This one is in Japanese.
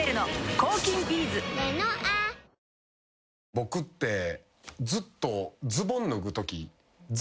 僕ってずっと。